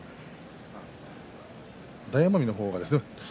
大奄美の方がですね